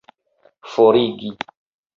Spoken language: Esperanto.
forigi